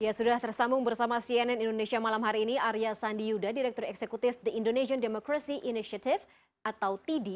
ya sudah tersambung bersama cnn indonesia malam hari ini arya sandi yuda direktur eksekutif the indonesian democracy initiative atau tidi